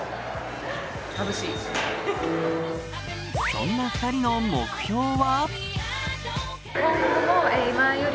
そんな２人の目標は？